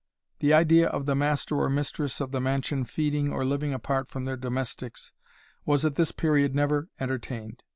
The idea of the master or mistress of the mansion feeding or living apart from their domestics, was at this period never entertained.